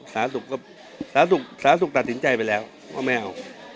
สาธารณสุขสาธารณสุขตัดสินใจไปแล้วว่าไม่เอา